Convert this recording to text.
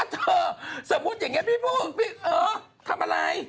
เถอะสมมุติอย่างนี้พี่พูกเออทำอะไร